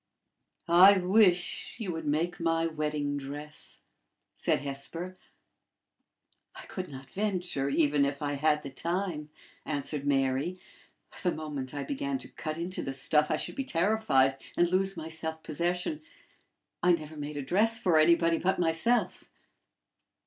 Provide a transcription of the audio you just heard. "I wish you would make my wedding dress," said Hesper. "I could not venture, even if I had the time," answered Mary. "The moment I began to cut into the stuff, I should be terrified, and lose my self possession. I never made a dress for anybody but myself."